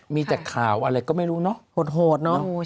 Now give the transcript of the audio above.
มีแต่ข่าวอะไรก็ไม่รู้เนอะโหดเนอะ